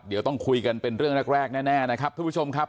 เดี๋ยวต้องคุยกันเป็นเรื่องแรกแน่นะครับทุกผู้ชมครับ